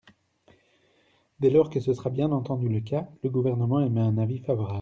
Dès lors que ce sera bien entendu le cas, le Gouvernement émet un avis favorable.